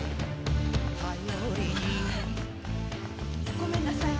ごめんなさい。